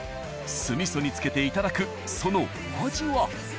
酢味噌につけていただくそのお味は。